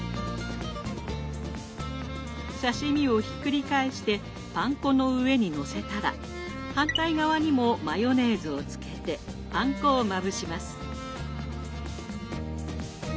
刺身をひっくり返してパン粉の上にのせたら反対側にもマヨネーズをつけてパン粉をまぶします。